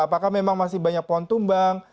apakah memang masih banyak pohon tumbang